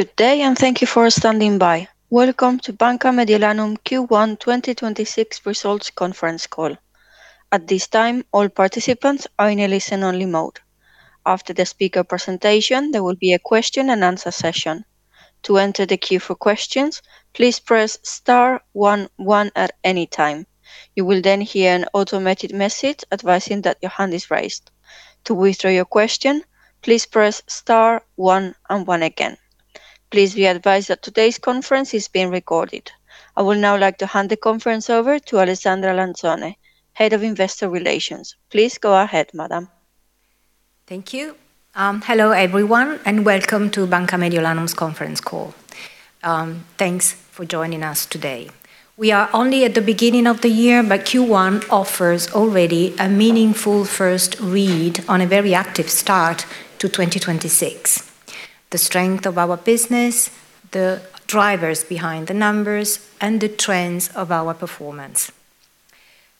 Good day, thank you for standing by. Welcome to Banca Mediolanum Q1 2026 results conference call. At this time, all participants are in a listen-only mode. After the speaker presentation, there will be a question and answer session. Please be advised that today's conference is being recorded. I would now like to hand the conference over to Alessandra Lanzone, Head of Investor Relations. Please go ahead, madam. Thank you. Hello, everyone, and welcome to Banca Mediolanum's conference call. Thanks for joining us today. We are only at the beginning of the year, but Q1 offers already a meaningful first read on a very active start to 2026. The strength of our business, the drivers behind the numbers, and the trends of our performance.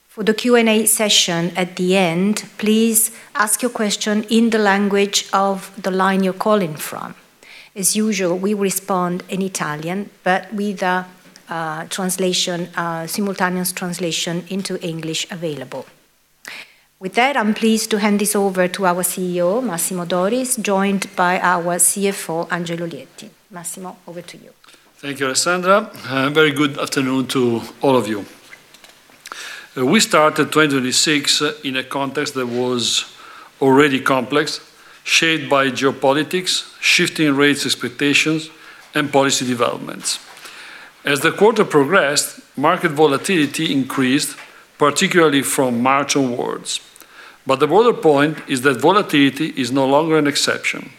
For the Q&A session at the end, please ask your question in the language of the line you're calling from. As usual, we respond in Italian, but with a simultaneous translation into English available. With that, I'm pleased to hand this over to our CEO, Massimo Doris, joined by our CFO, Angelo Lietti. Massimo, over to you. Thank you, Alessandra. Very good afternoon to all of you. We started 2026 in a context that was already complex, shaped by geopolitics, shifting rates expectations, and policy developments. As the quarter progressed, market volatility increased, particularly from March onwards. The broader point is that volatility is no longer an exception.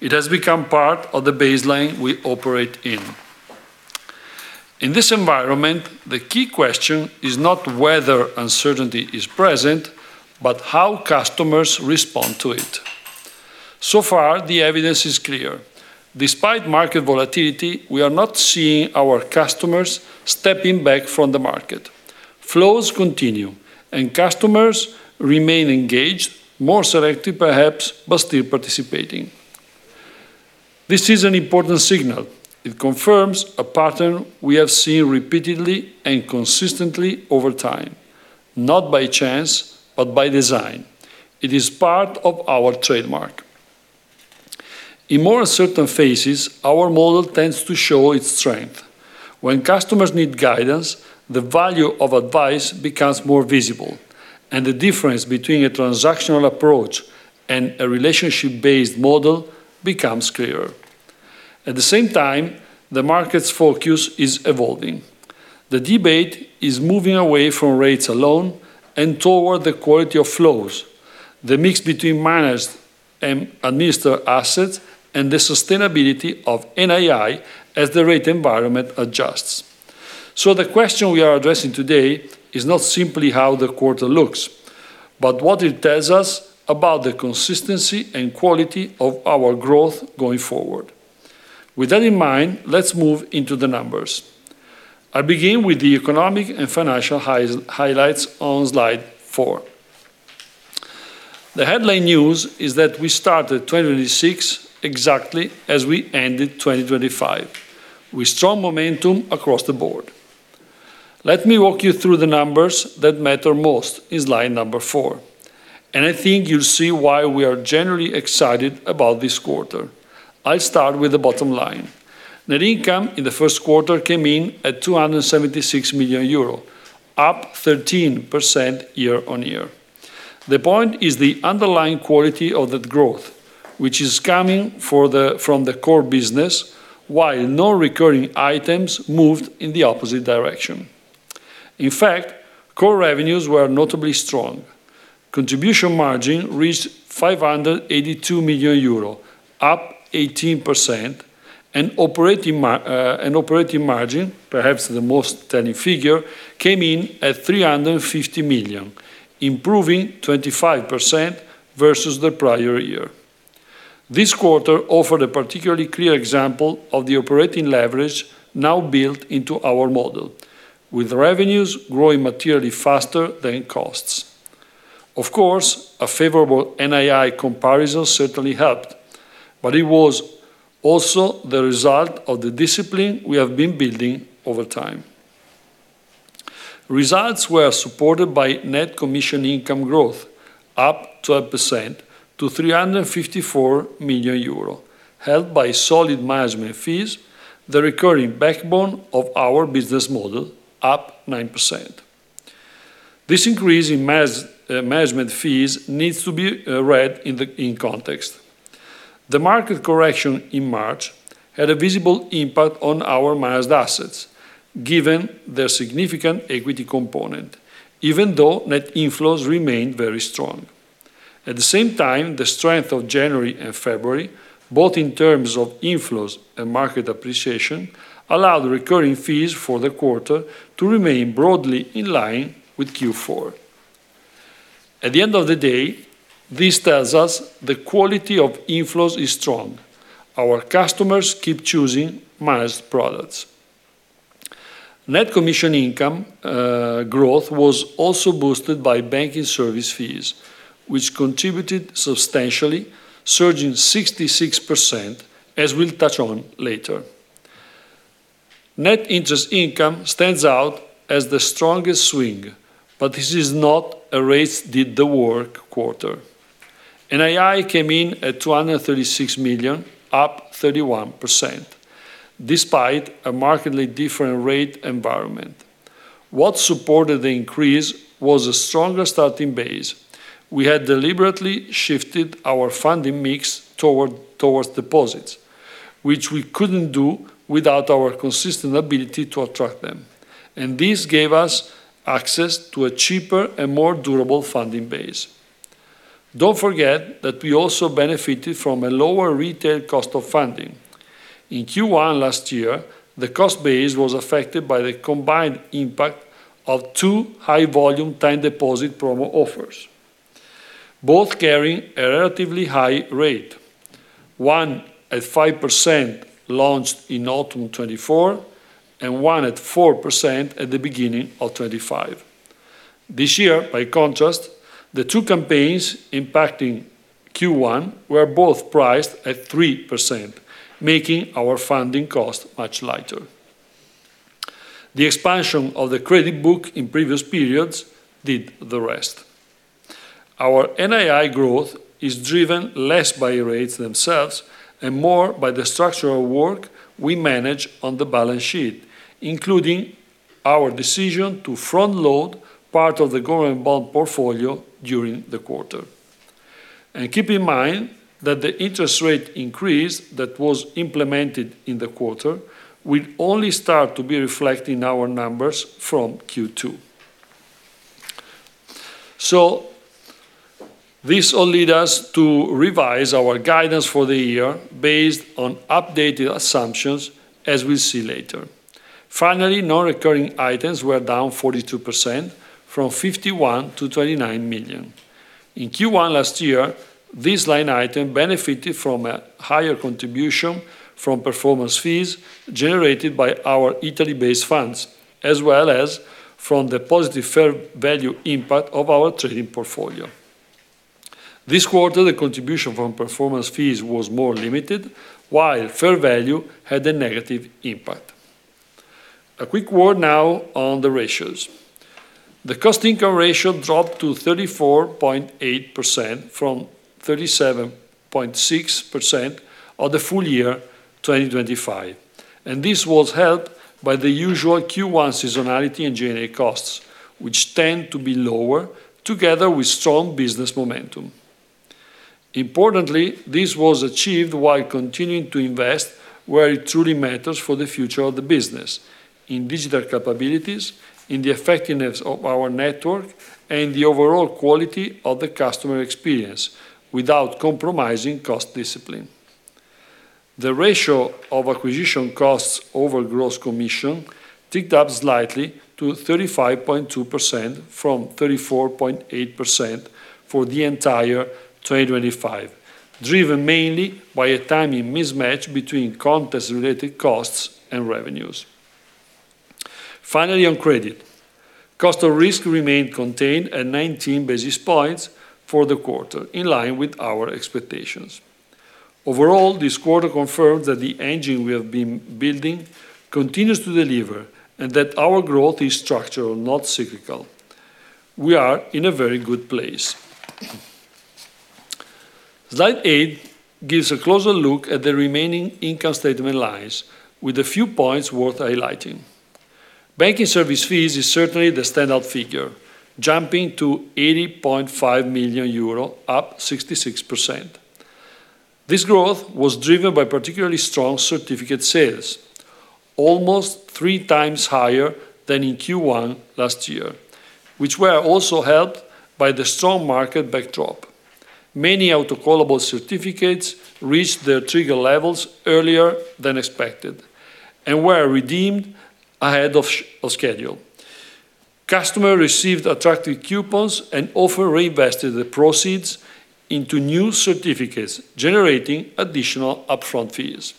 It has become part of the baseline we operate in. In this environment, the key question is not whether uncertainty is present, but how customers respond to it. So far, the evidence is clear. Despite market volatility, we are not seeing our customers stepping back from the market. Flows continue and customers remain engaged, more selective perhaps, but still participating. This is an important signal. It confirms a pattern we have seen repeatedly and consistently over time, not by chance, but by design. It is part of our trademark. In more uncertain phases, our model tends to show its strength. When customers need guidance, the value of advice becomes more visible, and the difference between a transactional approach and a relationship-based model becomes clearer. At the same time, the market's focus is evolving. The debate is moving away from rates alone and toward the quality of flows, the mix between managed and administered assets, and the sustainability of NII as the rate environment adjusts. The question we are addressing today is not simply how the quarter looks, but what it tells us about the consistency and quality of our growth going forward. With that in mind, let's move into the numbers. I begin with the economic and financial highlights on slide four. The headline news is that we started 2026 exactly as we ended 2025, with strong momentum across the board. Let me walk you through the numbers that matter most in slide four. I think you'll see why we are generally excited about this quarter. I start with the bottom line. Net income in the first quarter came in at 276 million euro, up 13% year-on-year. The point is the underlying quality of that growth, which is coming from the core business, while non-recurring items moved in the opposite direction. In fact, core revenues were notably strong. Contribution margin reached 582 million euro, up 18%. Operating margin, perhaps the most telling figure, came in at EUR 350 million, improving 25% versus the prior year. This quarter offered a particularly clear example of the operating leverage now built into our model, with revenues growing materially faster than costs. Of course, a favorable NII comparison certainly helped, but it was also the result of the discipline we have been building over time. Results were supported by net commission income growth, up 12% to 354 million euro, helped by solid management fees, the recurring backbone of our business model, up 9%. This increase in management fees needs to be read in context. The market correction in March had a visible impact on our managed assets given their significant equity component, even though net inflows remained very strong. At the same time, the strength of January and February, both in terms of inflows and market appreciation, allowed recurring fees for the quarter to remain broadly in line with Q4. At the end of the day, this tells us the quality of inflows is strong. Our customers keep choosing managed products. Net commission income growth was also boosted by banking service fees, which contributed substantially, surging 66%, as we'll touch on later. Net interest income stands out as the strongest swing, this is not a rates did the work quarter. NII came in at 236 million, up 31%, despite a markedly different rate environment. What supported the increase was a stronger starting base. We had deliberately shifted our funding mix towards deposits, which we couldn't do without our consistent ability to attract them. This gave us access to a cheaper and more durable funding base. Don't forget that we also benefited from a lower retail cost of funding. In Q1 last year, the cost base was affected by the combined impact of two high-volume time deposit promo offers, both carrying a relatively high rate. One at 5% launched in autumn 2024, and one at 4% at the beginning of 2025. This year, by contrast, the two campaigns impacting Q1 were both priced at 3%, making our funding cost much lighter. The expansion of the credit book in previous periods did the rest. Our NII growth is driven less by rates themselves and more by the structural work we manage on the balance sheet, including our decision to front-load part of the government bond portfolio during the quarter. Keep in mind that the interest rate increase that was implemented in the quarter will only start to be reflecting our numbers from Q2. This all lead us to revise our guidance for the year based on updated assumptions, as we'll see later. Finally, non-recurring items were down 42% from 51 million to 29 million. In Q1 last year, this line item benefited from a higher contribution from performance fees generated by our Italy-based funds, as well as from the positive fair value impact of our trading portfolio. This quarter, the contribution from performance fees was more limited, while fair value had a negative impact. A quick word now on the ratios. The cost-income ratio dropped to 34.8% from 37.6% of the full year 2025. This was helped by the usual Q1 seasonality and G&A costs, which tend to be lower together with strong business momentum. Importantly, this was achieved while continuing to invest where it truly matters for the future of the business, in digital capabilities, in the effectiveness of our network, and the overall quality of the customer experience without compromising cost discipline. The ratio of acquisition costs over gross commission ticked up slightly to 35.2% from 34.8% for the entire 2025, driven mainly by a timing mismatch between contest related costs and revenues. Finally, on credit. Cost of risk remained contained at 19 basis points for the quarter, in line with our expectations. Overall, this quarter confirmed that the engine we have been building continues to deliver and that our growth is structural, not cyclical. We are in a very good place. Slide eight gives a closer look at the remaining income statement lines with a few points worth highlighting. Banking service fees is certainly the standout figure, jumping to 80.5 million euro, up 66%. This growth was driven by particularly strong certificate sales, almost 3x higher than in Q1 last year, which were also helped by the strong market backdrop. Many autocallable certificates reached their trigger levels earlier than expected and were redeemed ahead of schedule. Customer received attractive coupons and often reinvested the proceeds into new certificates, generating additional upfront fees.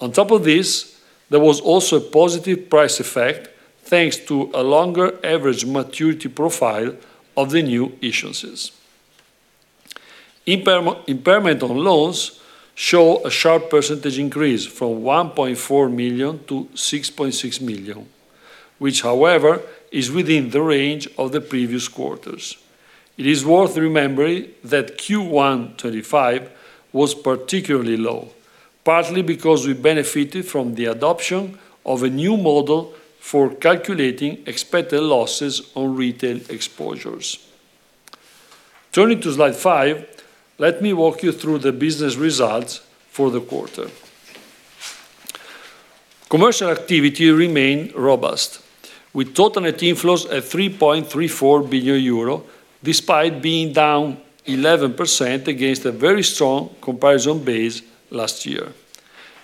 On top of this, there was also a positive price effect, thanks to a longer average maturity profile of the new issuances. Impairment on loans show a sharp percentage increase from 1.4 million to 6.6 million, which however, is within the range of the previous quarters. It is worth remembering that Q1 2025 was particularly low, partly because we benefited from the adoption of a new model for calculating expected losses on retail exposures. Turning to slide 5, let me walk you through the business results for the quarter. Commercial activity remained robust, with total net inflows at 3.34 billion euro, despite being down 11% against a very strong comparison base last year.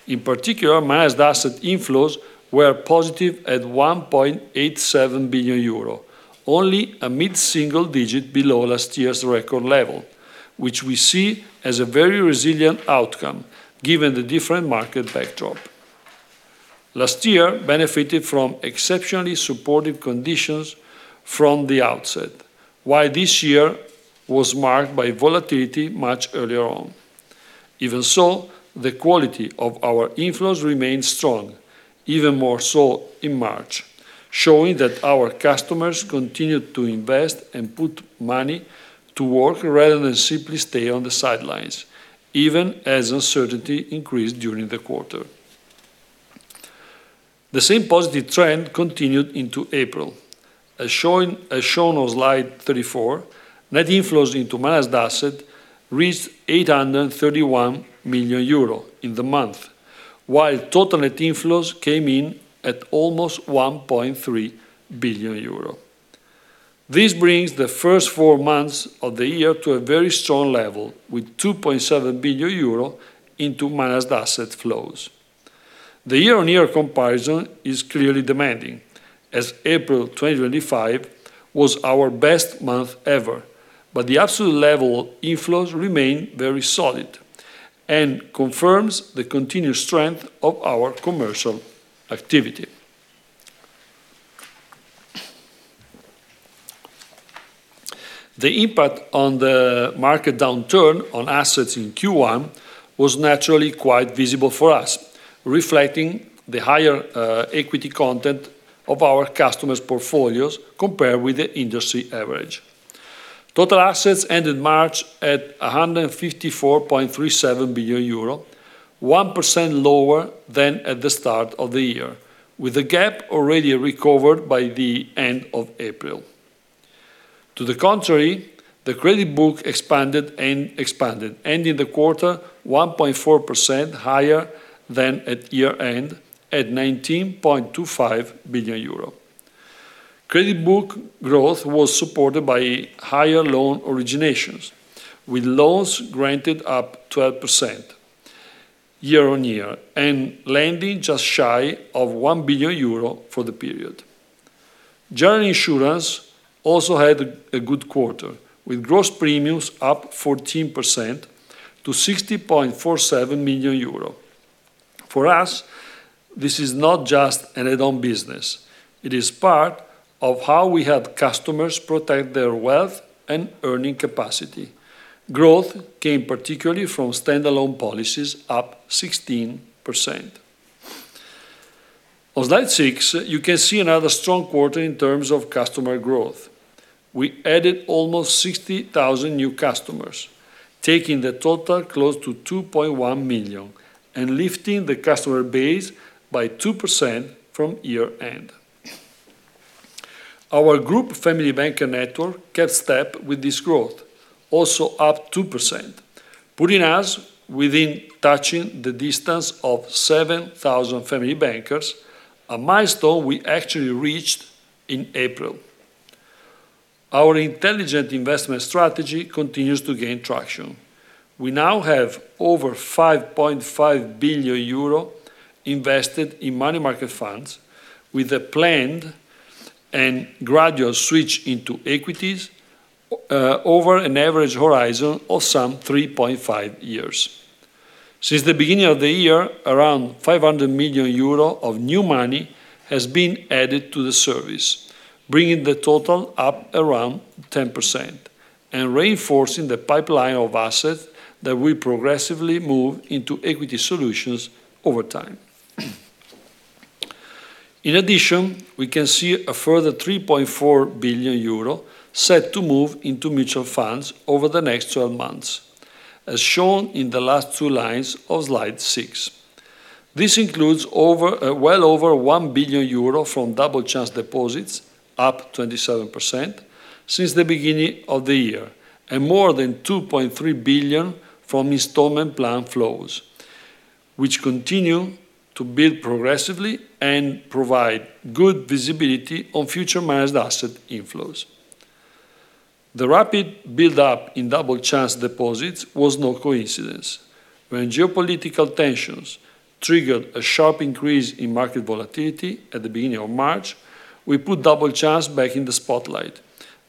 In particular, managed asset inflows were positive at 1.87 billion euro, only a mid-single digit below last year's record level. Which we see as a very resilient outcome given the different market backdrop. Last year benefited from exceptionally supportive conditions from the outset, while this year was marked by volatility much earlier on. Even so, the quality of our inflows remained strong, even more so in March, showing that our customers continued to invest and put money to work rather than simply stay on the sidelines, even as uncertainty increased during the quarter. The same positive trend continued into April. As shown on slide 34, net inflows into managed asset reached 831 million euro in the month, while total net inflows came in at almost 1.3 billion euro. This brings the first four months of the year to a very strong level, with 2.7 billion euro into managed asset flows. The year-on-year comparison is clearly demanding, as April 2025 was our best month ever, but the absolute level of inflows remain very solid and confirms the continued strength of our commercial activity. The impact on the market downturn on assets in Q1 was naturally quite visible for us, reflecting the higher equity content of our customers' portfolios compared with the industry average. Total assets ended March at 154.37 billion euro, 1% lower than at the start of the year, with the gap already recovered by the end of April. To the contrary, the credit book expanded, ending the quarter 1.4% higher than at year end, at 19.25 billion euro. Credit book growth was supported by higher loan originations, with loans granted up 12% year-on-year and lending just shy of 1 billion euro for the period. General insurance also had a good quarter, with gross premiums up 14% to 60.47 million euro. For us, this is not just an add-on business. It is part of how we help customers protect their wealth and earning capacity. Growth came particularly from standalone policies, up 16%. On slide six, you can see another strong quarter in terms of customer growth. We added almost 60,000 new customers, taking the total close to 2.1 million and lifting the customer base by 2% from year end. Our group Family Banker network kept step with this growth, also up 2%, putting us within touching distance of 7,000 Family Bankers, a milestone we actually reached in April. Our Intelligent Investment Strategy continues to gain traction. We now have over 5.5 billion euro invested in money market funds with a planned and gradual switch into equities over an average horizon of some 3.5 years. Since the beginning of the year, around 500 million euro of new money has been added to the service, bringing the total up around 10% and reinforcing the pipeline of assets that will progressively move into equity solutions over time. In addition, we can see a further 3.4 billion euro set to move into mutual funds over the next 12 months, as shown in the last two lines of slide six. This includes well over 1 billion euro from Double Chance deposits, up 27% since the beginning of the year, and more than 2.3 billion from installment plan flows, which continue to build progressively and provide good visibility on future managed asset inflows. The rapid buildup in Double Chance deposits was no coincidence. When geopolitical tensions triggered a sharp increase in market volatility at the beginning of March, we put Double Chance back in the spotlight,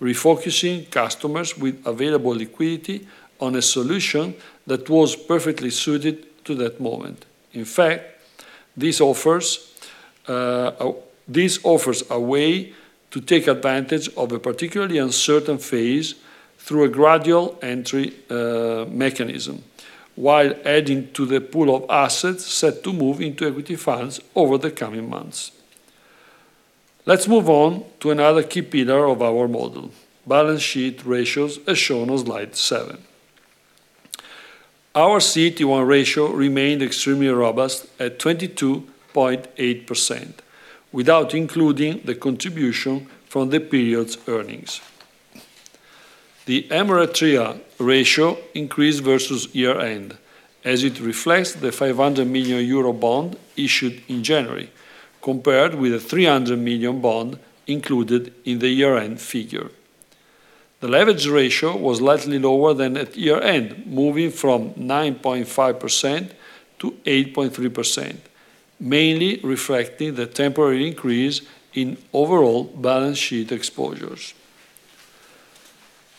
refocusing customers with available liquidity on a solution that was perfectly suited to that moment. In fact, this offers a way to take advantage of a particularly uncertain phase through a gradual entry mechanism, while adding to the pool of assets set to move into equity funds over the coming months. Let's move on to another key pillar of our model, balance sheet ratios, as shown on slide seven. Our CET1 ratio remained extremely robust at 22.8%, without including the contribution from the period's earnings. The MREL ratio increased versus year end, as it reflects the 500 million euro bond issued in January, compared with a 300 million bond included in the year-end figure. The leverage ratio was slightly lower than at year end, moving from 9.5% to 8.3%. Mainly reflecting the temporary increase in overall balance sheet exposures.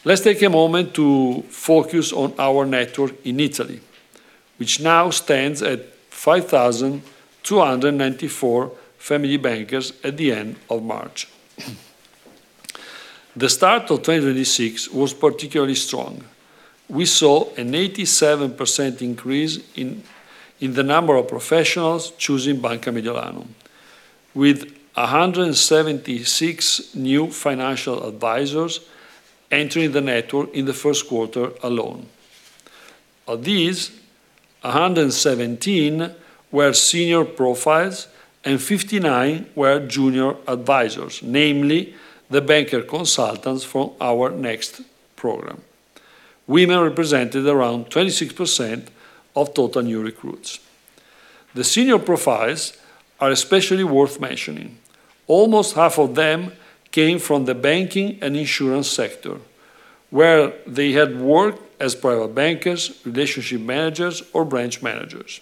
Let's take a moment to focus on our network in Italy, which now stands at 5,294 Family Bankers at the end of March. The start of 2026 was particularly strong. We saw an 87% increase in the number of professionals choosing Banca Mediolanum, with 176 new financial advisors entering the network in the first quarter alone. Of these, 117 were senior profiles and 59 were junior advisors, namely the Banker Consultants for our Next program. Women represented around 26% of total new recruits. The senior profiles are especially worth mentioning. Almost half of them came from the banking and insurance sector, where they had worked as private bankers, relationship managers, or branch managers.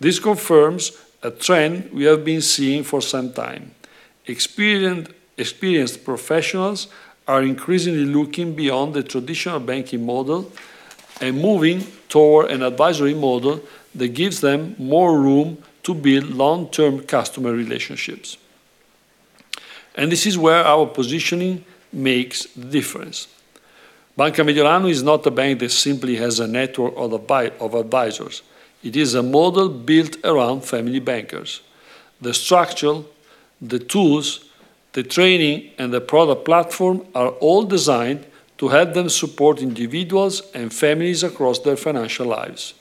This confirms a trend we have been seeing for some time. Experienced professionals are increasingly looking beyond the traditional banking model and moving toward an advisory model that gives them more room to build long-term customer relationships. This is where our positioning makes a difference. Banca Mediolanum is not a bank that simply has a network of advisors. It is a model built around Family Bankers. The structure, the tools, the training, and the product platform are all designed to help them support individuals and families across their financial lives.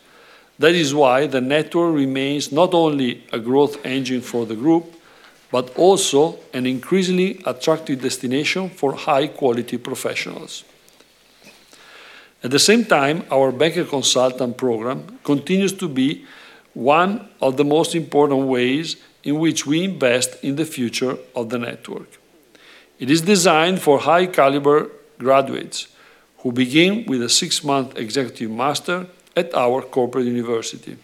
That is why the network remains not only a growth engine for the group, but also an increasingly attractive destination for high-quality professionals. At the same time, our Banker Consultant program continues to be one of the most important ways in which we invest in the future of the network. It is designed for high-caliber graduates who begin with a six-month executive master at our corporate university,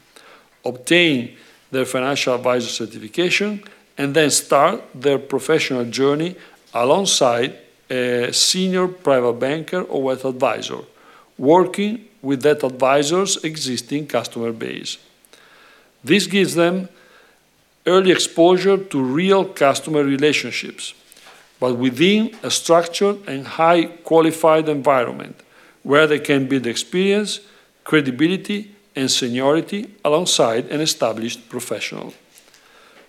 obtain their financial advisor certification, and then start their professional journey alongside a senior private banker or wealth advisor, working with that advisor's existing customer base. This gives them early exposure to real customer relationships, but within a structured and high-qualified environment where they can build experience, credibility, and seniority alongside an established professional.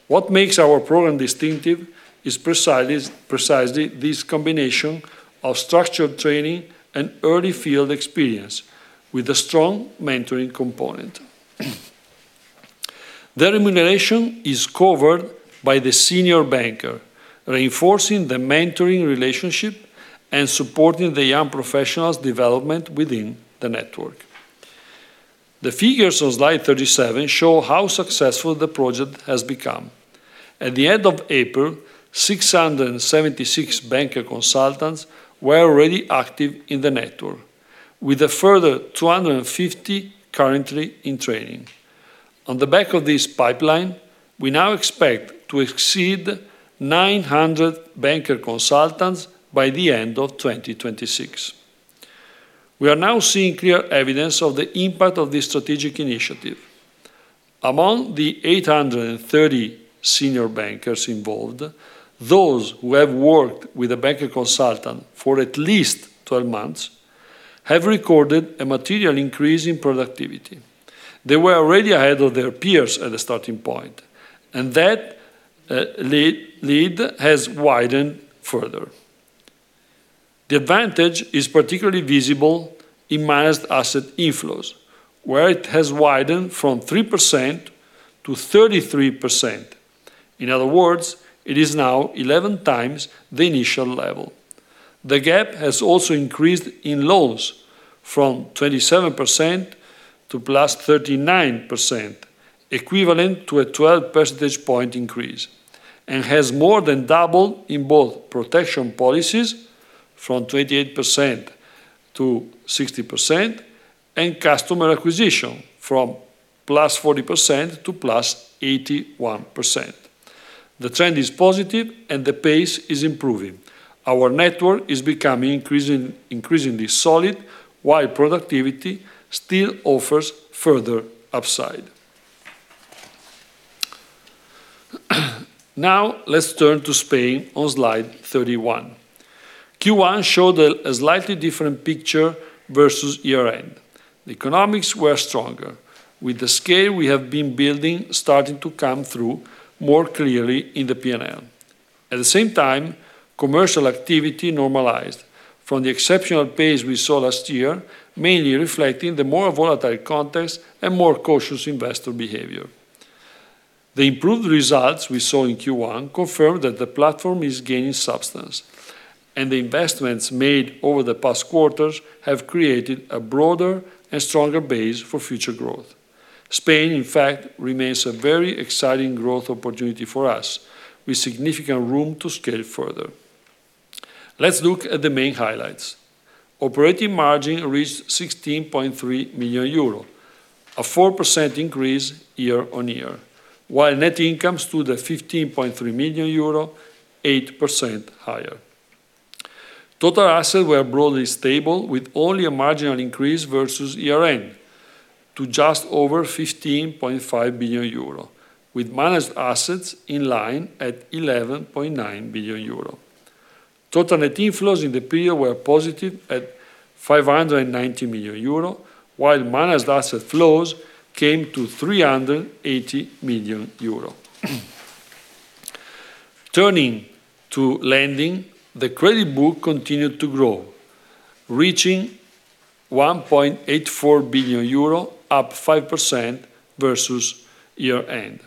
What makes our program distinctive is precisely this combination of structured training and early field experience with a strong mentoring component. Their remuneration is covered by the senior banker, reinforcing the mentoring relationship and supporting the young professionals' development within the network. The figures on slide 37 show how successful the project has become. At the end of April, 676 Banker Consultants were already active in the network, with a further 250 currently in training. On the back of this pipeline, we now expect to exceed 900 Banker Consultants by the end of 2026. We are now seeing clear evidence of the impact of this strategic initiative. Among the 830 senior bankers involved, those who have worked with a Banker Consultant for at least 12 months have recorded a material increase in productivity. They were already ahead of their peers at the starting point, and that lead has widened further. The advantage is particularly visible in managed asset inflows, where it has widened from 3% to 33%. In other words, it is now 11x the initial level. The gap has also increased in loans from 27% to 39%, equivalent to a 12-percentage point increase, and has more than doubled in both protection policies from 28% to 60% and customer acquisition from 40% to 81%. The trend is positive and the pace is improving. Our network is becoming increasingly solid while productivity still offers further upside. Let's turn to Spain on slide 31. Q1 showed a slightly different picture versus year-end. The economics were stronger, with the scale we have been building starting to come through more clearly in the P&L. At the same time, commercial activity normalized from the exceptional pace we saw last year, mainly reflecting the more volatile context and more cautious investor behavior. The improved results we saw in Q1 confirm that the platform is gaining substance, and the investments made over the past quarters have created a broader and stronger base for future growth. Spain, in fact, remains a very exciting growth opportunity for us, with significant room to scale further. Let's look at the main highlights. Operating margin reached 16.3 million euro, a 4% increase year-on-year, while net income stood at 15.3 million euro, 8% higher. Total assets were broadly stable with only a marginal increase versus year-end to just over 15.5 billion euro, with managed assets in line at 11.9 billion euro. Total net inflows in the period were positive at 590 million euro, while managed asset flows came to 380 million euro. Turning to lending, the credit book continued to grow, reaching 1.84 billion euro, up 5% versus year end.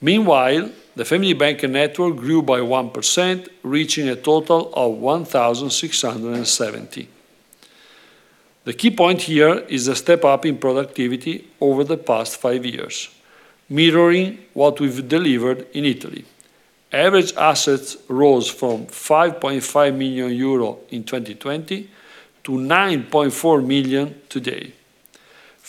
Meanwhile, the Family Banker network grew by 1%, reaching a total of 1,670. The key point here is a step up in productivity over the past five years, mirroring what we've delivered in Italy. Average assets rose from 5.5 million euro in 2020 to 9.4 million today.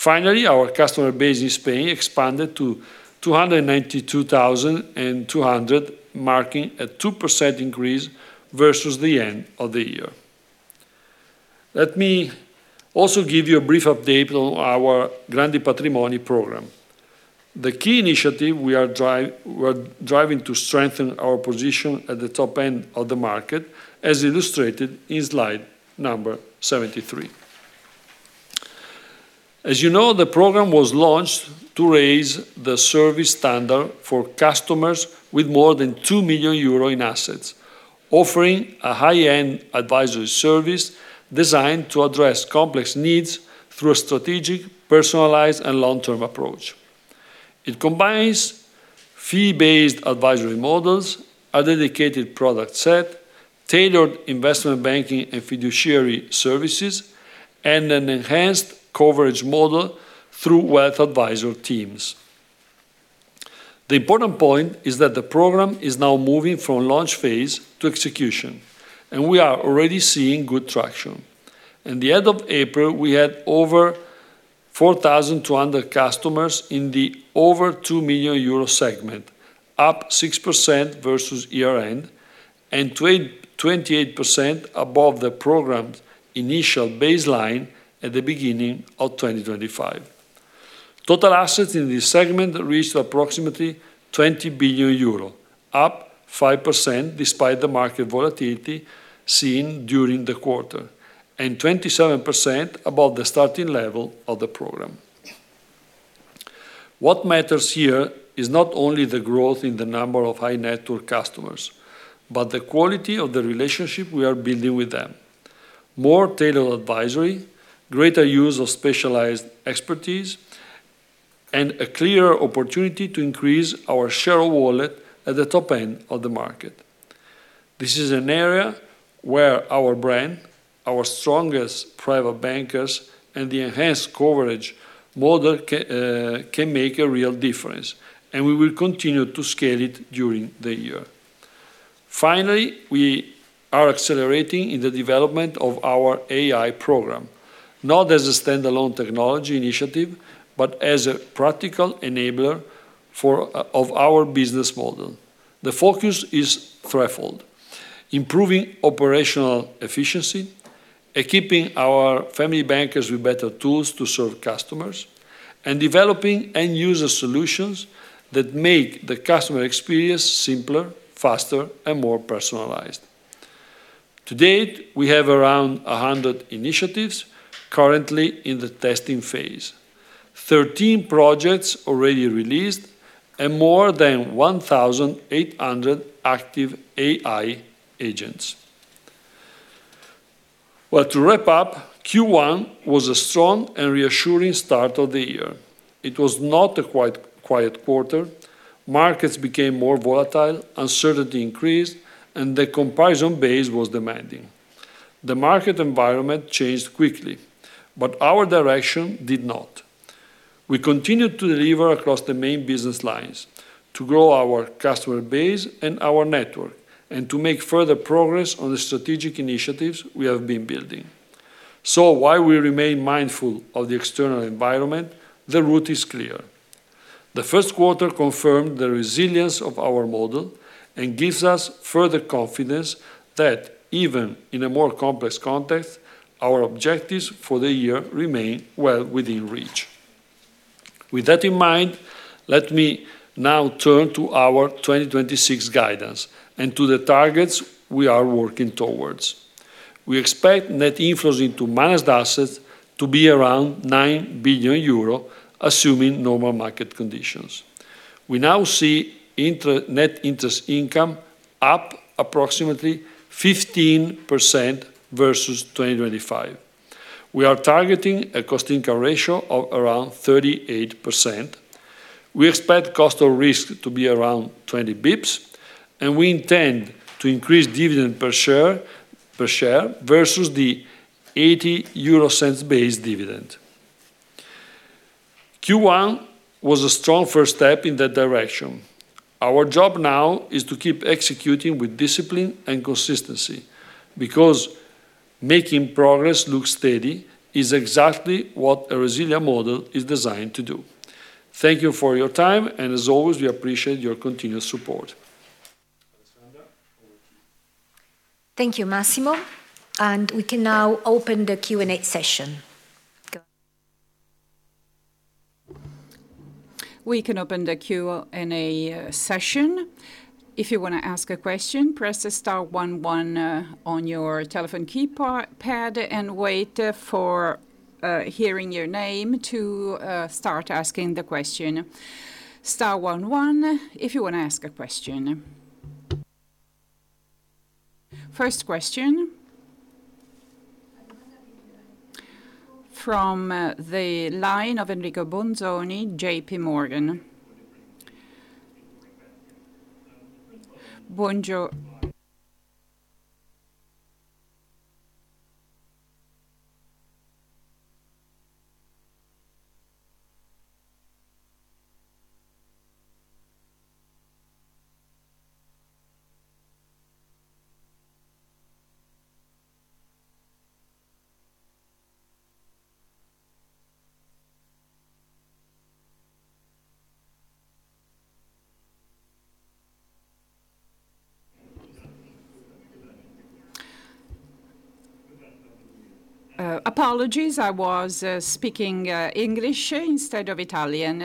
Finally, our customer base in Spain expanded to 292,200, marking a 2% increase versus the end of the year. Let me also give you a brief update on our Grandi Patrimoni program, the key initiative we are driving to strengthen our position at the top end of the market, as illustrated in slide number 73. As you know, the program was launched to raise the service standard for customers with more than 2 million euro in assets, offering a high-end advisory service designed to address complex needs through a strategic, personalized, and long-term approach. It combines fee-based advisory models, a dedicated product set, tailored investment banking and fiduciary services, and an enhanced coverage model through wealth advisor teams. The important point is that the program is now moving from launch phase to execution, and we are already seeing good traction. In the end of April, we had over 4,200 customers in the over 2 million euro segment, up 6% versus year end and 28% above the program's initial baseline at the beginning of 2025. Total assets in this segment reached approximately 20 billion euro, up 5% despite the market volatility seen during the quarter, and 27% above the starting level of the program. What matters here is not only the growth in the number of high net worth customers, but the quality of the relationship we are building with them. More tailored advisory, greater use of specialized expertise, and a clearer opportunity to increase our share of wallet at the top end of the market. This is an area where our brand, our strongest private bankers, and the enhanced coverage model can make a real difference, and we will continue to scale it during the year. Finally, we are accelerating in the development of our AI program, not as a standalone technology initiative, but as a practical enabler of our business model. The focus is threefold: improving operational efficiency, equipping our Family Bankers with better tools to serve customers, and developing end-user solutions that make the customer experience simpler, faster, and more personalized. To date, we have around 100 initiatives currently in the testing phase, 13 projects already released, and more than 1,800 active AI agents. Well, to wrap up, Q1 was a strong and reassuring start of the year. It was not a quiet quarter. Markets became more volatile, uncertainty increased, and the comparison base was demanding. The market environment changed quickly, but our direction did not. We continued to deliver across the main business lines, to grow our customer base and our network, and to make further progress on the strategic initiatives we have been building. While we remain mindful of the external environment, the route is clear. The first quarter confirmed the resilience of our model and gives us further confidence that even in a more complex context, our objectives for the year remain well within reach. With that in mind, let me now turn to our 2026 guidance and to the targets we are working towards. We expect net inflows into managed assets to be around 9 billion euro, assuming normal market conditions. We now see net interest income up approximately 15% versus 2025. We are targeting a cost-income ratio of around 38%. We expect cost of risk to be around 20 basis points, and we intend to increase dividend per share versus the 0.80 base dividend. Q1 was a strong first step in that direction. Our job now is to keep executing with discipline and consistency, because making progress look steady is exactly what a resilient model is designed to do. Thank you for your time, and as always, we appreciate your continued support. Thank you, Massimo. We can now open the Q&A session. Go. We can open the Q&A session. If you want to ask a question, press star one one on your telephone keypad and wait for hearing your name to start asking the question. Star one one if you want to ask a question. First question from the line of Enrico Bolzoni, JPMorgan. Apologies. I was speaking English instead of Italian.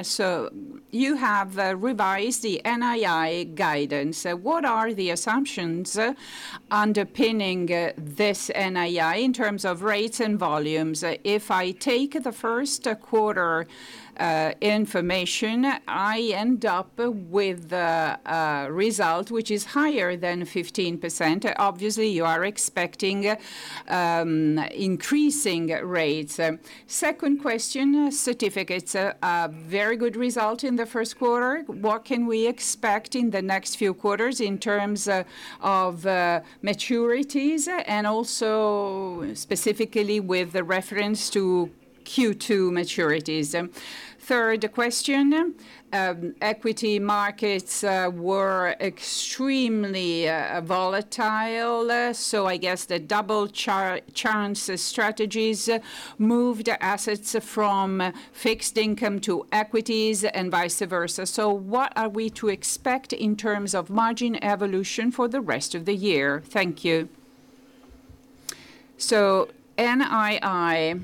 You have revised the NII guidance. What are the assumptions underpinning this NII in terms of rates and volumes? If I take the first quarter information, I end up with a result which is higher than 15%. Obviously, you are expecting increasing rates. Second question, certificates, a very good result in the first quarter. What can we expect in the next few quarters in terms of maturities, and also specifically with the reference to Q2 maturities? Third question, equity markets were extremely volatile. I guess the Double Chance strategies moved assets from fixed income to equities and vice versa. What are we to expect in terms of margin evolution for the rest of the year? Thank you. NII,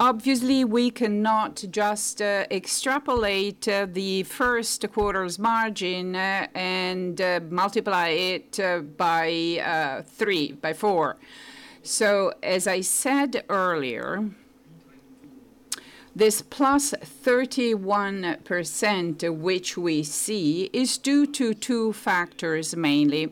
obviously, we cannot just extrapolate the first quarter's margin and multiply it by three, by four. As I said earlier, this 31%, which we see, is due to two factors mainly.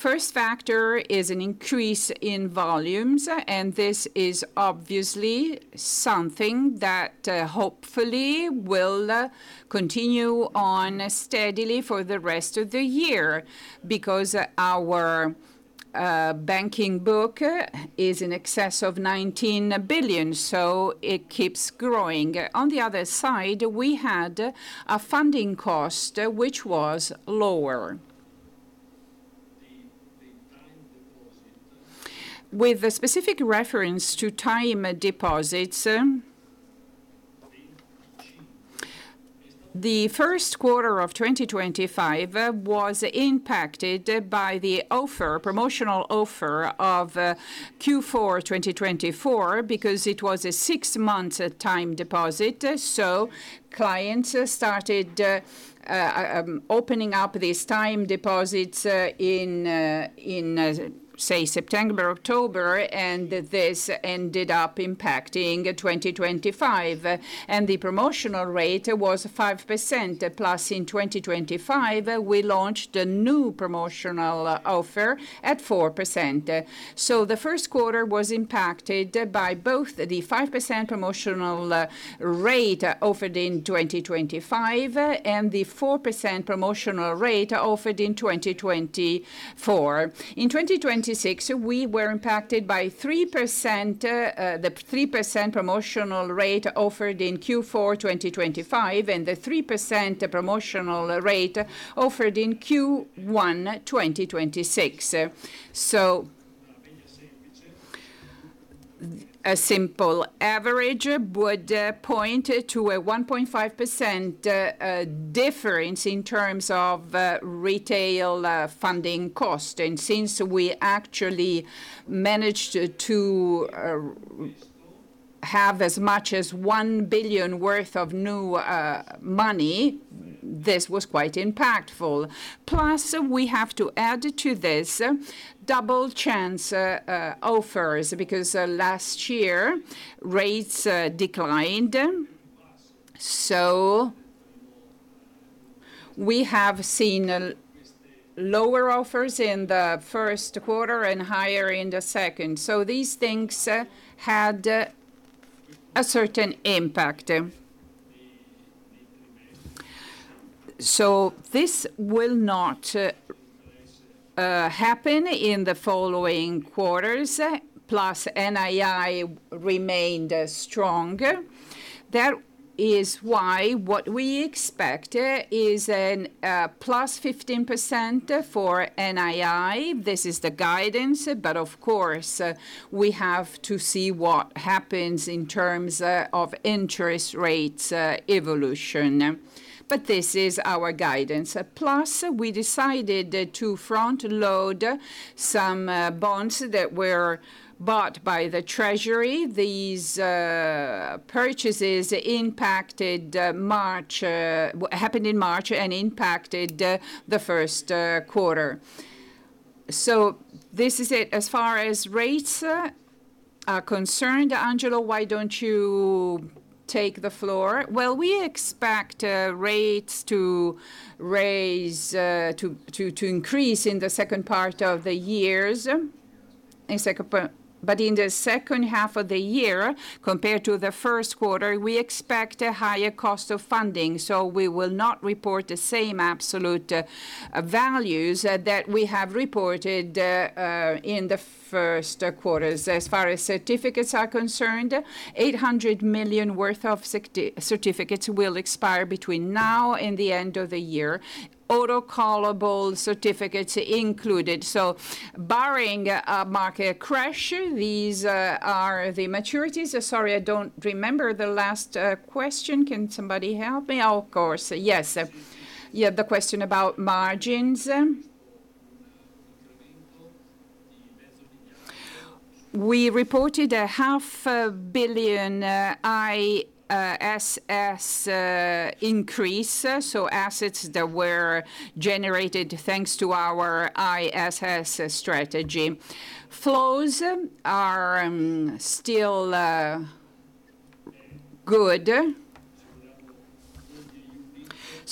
First factor is an increase in volumes, and this is obviously something that hopefully will continue on steadily for the rest of the year, because our banking book is in excess of 19 billion, so it keeps growing. On the other side, we had a funding cost, which was lower. With a specific reference to time deposits- The first quarter of 2025 was impacted by the offer, promotional offer of Q4 2024, because it was a six-month time deposit. Clients started opening up these time deposits in, say, September, October, and this ended up impacting 2025. The promotional rate was 5%, plus in 2025, we launched a new promotional offer at 4%. The first quarter was impacted by both the 5% promotional rate offered in 2025 and the 4% promotional rate offered in 2024. In 2026, we were impacted by 3%, the 3% promotional rate offered in Q4 2025 and the 3% promotional rate offered in Q1 2026. A simple average would point to a 1.5% difference in terms of retail funding cost. Since we actually managed to have as much as 1 billion worth of new money, this was quite impactful. We have to add to this Double Chance offers, because last year rates declined. We have seen lower offers in the first quarter and higher in the second. These things had a certain impact. This will not happen in the following quarters. NII remained strong. That is why what we expect is an 15% for NII. This is the guidance, but of course, we have to see what happens in terms of interest rates evolution. This is our guidance. We decided to front load some bonds that were bought by the treasury. These purchases impacted March, happened in March and impacted the first quarter. This is it. As far as rates are concerned, Angelo, why don't you take the floor? Well, we expect rates to raise to increase in the second part of the years. In the second half of the year, compared to the first quarter, we expect a higher cost of funding, we will not report the same absolute values that we have reported in the first quarters. As far as certificates are concerned, 800 million worth of certificates will expire between now and the end of the year, autocallable certificates included. Barring a market crash, these are the maturities. Sorry, I don't remember the last question. Can somebody help me? Of course, yes. You had the question about margins. We reported a half a billion EUR IIS increase, so assets that were generated thanks to our IIS strategy. Flows are still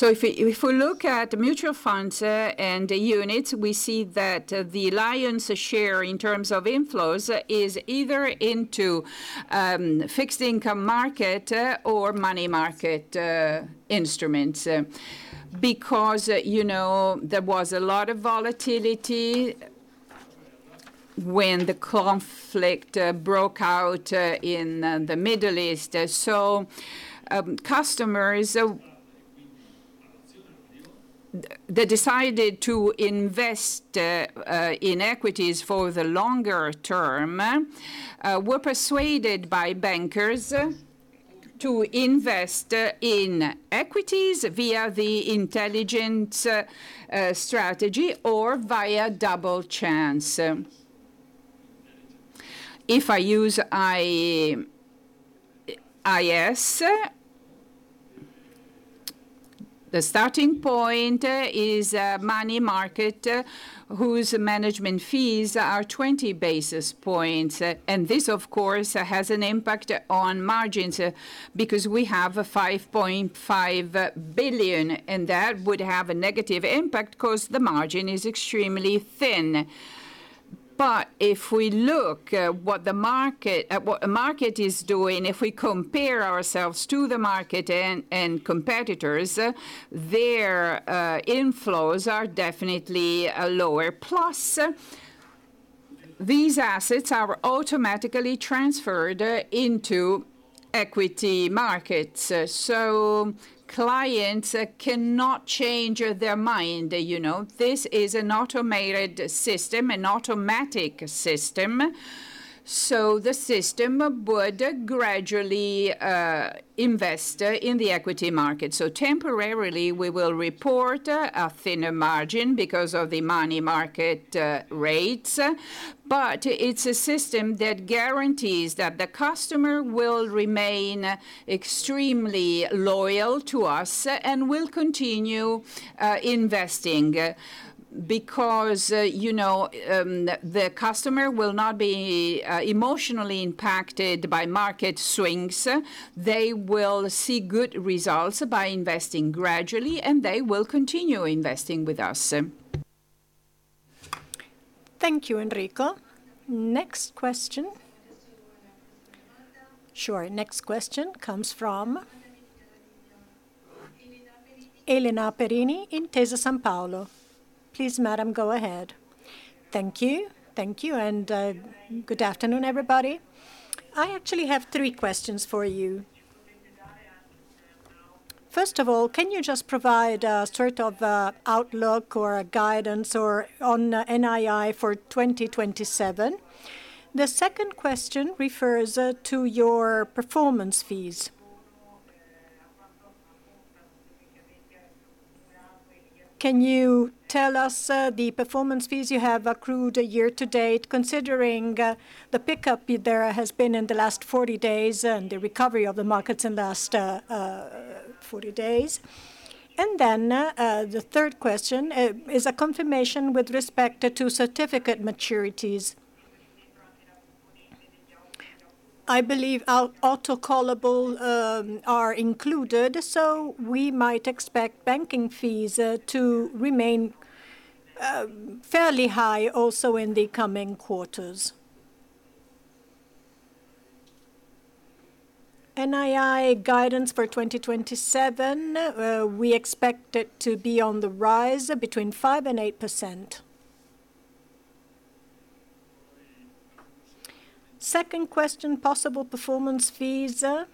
good. If we look at mutual funds and units, we see that the lion's share in terms of inflows is either into fixed income market or money market instruments. You know, there was a lot of volatility when the conflict broke out in the Middle East. Customers, they decided to invest in equities for the longer term, were persuaded by bankers to invest in equities via the Intelligent Strategy or via Double Chance. If I use IIS, the starting point is money market, whose management fees are 20 basis points. This, of course, has an impact on margins, because we have 5.5 billion, and that would have a negative impact because the margin is extremely thin. If we look at what the market is doing, if we compare ourselves to the market and competitors, their inflows are definitely lower. Plus these assets are automatically transferred into equity markets. Clients cannot change their mind, you know. This is an automatic system, the system would gradually invest in the equity market. Temporarily, we will report a thinner margin because of the money market rates, it's a system that guarantees that the customer will remain extremely loyal to us and will continue investing. Because, you know, the customer will not be emotionally impacted by market swings. They will see good results by investing gradually, and they will continue investing with us. Thank you, Enrico. Next question. Sure. Next question comes from Elena Perini, Intesa Sanpaolo. Please, madam, go ahead. Thank you. Thank you, good afternoon, everybody. I actually have three questions for you. First of all, can you just provide a sort of outlook or a guidance or on NII for 2027? The second question refers to your performance fees. Can you tell us the performance fees you have accrued year to date, considering the pickup there has been in the last 40 days and the recovery of the markets in the last 40 days? Then the third question is a confirmation with respect to certificate maturities. I believe autocallable are included, we might expect banking fees to remain fairly high also in the coming quarters. NII guidance for 2027, we expect it to be on the rise between 5 and 8%. Second question, possible performance fees that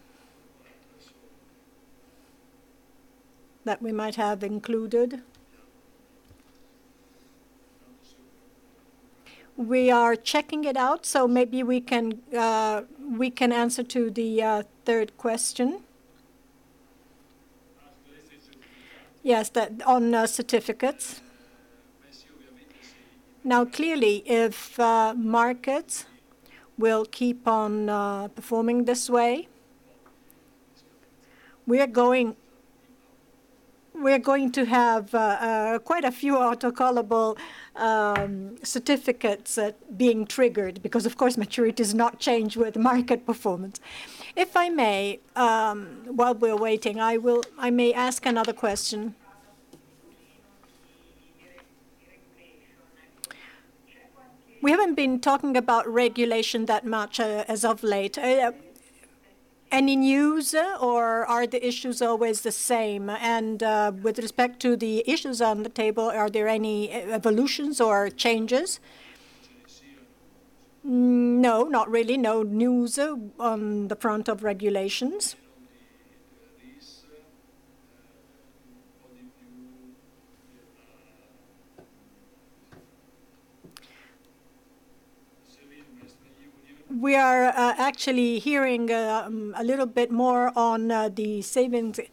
we might have included. We are checking it out, maybe we can answer to the third question. Ask the question. Yes, that on certificates. Clearly, if markets will keep on performing this way, we are going to have quite a few autocallable certificates being triggered because of course maturities not change with market performance. If I may, while we're waiting, I may ask another question. We haven't been talking about regulation that much as of late. Any news, or are the issues always the same? With respect to the issues on the table, are there any evolutions or changes? No, not really. No news on the front of regulations. We are actually hearing a little bit more on the Savings and